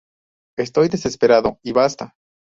Estoy desesperado, y basta".